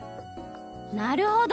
なるほど！